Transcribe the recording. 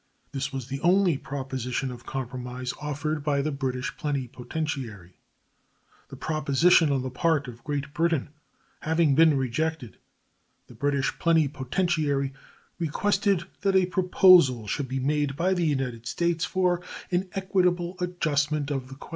This was the only proposition of compromise offered by the British plenipotentiary. The proposition on the part of Great Britain having been rejected, the British plenipotentiary requested that a proposal should be made by the United States for "an equitable adjustment of the question."